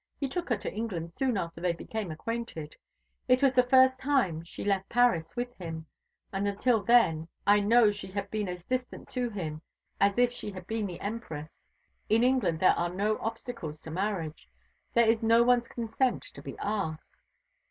He took her to England soon after they became acquainted. It was the first time she left Paris with him; and until then I know she had been as distant to him as if she had been the Empress. In England there are no obstacles to marriage; there is no one's consent to be asked."